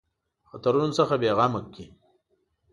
خطرونو څخه بېغمه کړي.